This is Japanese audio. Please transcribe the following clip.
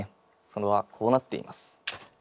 それはこうなっています。